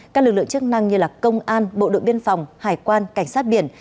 các lực lượng chức năng như công an bộ đội biên phòng hải quan cảnh sát biển